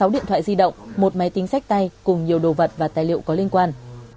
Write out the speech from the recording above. sáu điện thoại di động một máy tính sách tay cùng nhiều đồ vật và tài liệu có liên quan